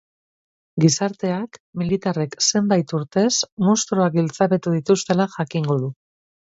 Gizarteak militarrek zenbait urtez munstroak giltzapetu dituztela jakingo du.